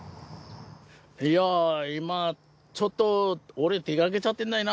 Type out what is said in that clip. いや今ちょっと俺出かけちゃってんだよな